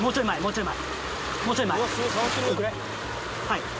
はい。